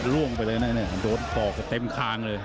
ร่วงไปเลยนั่นเนี่ยโดดปอกเต็มคางเลย